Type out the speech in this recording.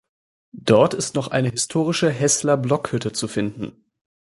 Dort ist noch eine historische Hessler Blockhütte zu finden.